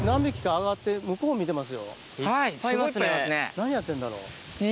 何やってんだろう？